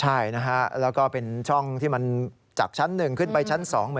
ใช่นะฮะแล้วก็เป็นช่องที่มันจากชั้น๑ขึ้นไปชั้น๒